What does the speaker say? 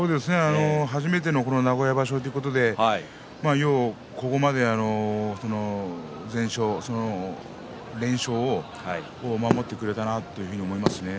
初めての名古屋場所ということで、よくここまで連勝を守ってくれたなと思いますね。